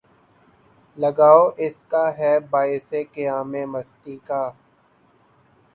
لگاؤ اس کا ہے باعث قیامِ مستی کا